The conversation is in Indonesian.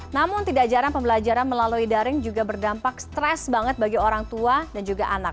namun tidak jarang pembelajaran melalui daring juga berdampak stres banget bagi orang tua dan juga anak